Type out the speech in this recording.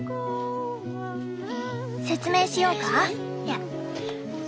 説明しようか？